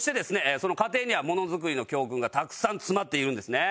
その過程にはものづくりの教訓がたくさん詰まっているんですね。